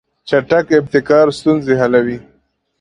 چټک ابتکار ستونزې حلوي.